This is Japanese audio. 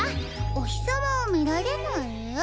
おひさまをみられない？